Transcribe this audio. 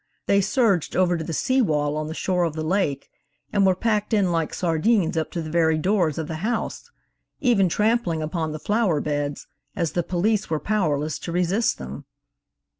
They surged over to the sea wall on the shore of the lake, and were packed in like sardines up to the very doors of the house, even trampling upon the flower beds, as the police were powerless to resist them.